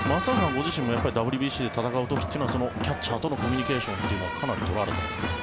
ご自身もＷＢＣで戦う時というのはキャッチャーとのコミュニケーションはかなり取られたんですか。